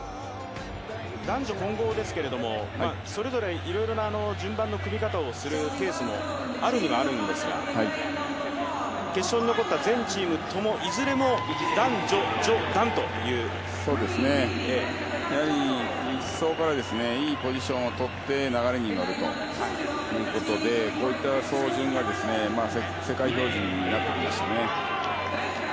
男女混合ですけれどいろいろな順番の組み方をするケースもあるにはあるんですが決勝に残った全チームともいずれも１走からいいポジションを取って流れに乗るということでこういった走順が世界標準になってきましたね。